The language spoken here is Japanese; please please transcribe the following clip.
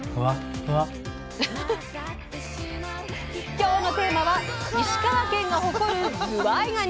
今日のテーマは石川県が誇る「ずわいがに」！